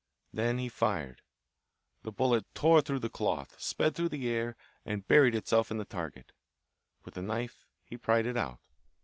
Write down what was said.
Then he fired. The bullet tore through the cloth, sped through the air, and buried itself in the target. With a knife he pried it out.